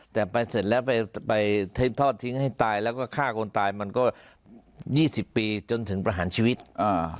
แต่ไปเสร็จแล้วไปไปทอดทิ้งให้ตายแล้วก็ฆ่าคนตายมันก็ยี่สิบปีจนถึงประหารชีวิตอ่า